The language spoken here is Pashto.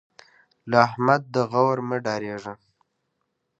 له احمد د غور مه ډارېږه.